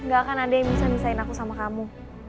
gak akan ada yang bisa misahin aku sama kamu